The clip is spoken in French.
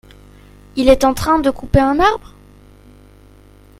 Il est en train de couper un arbre ?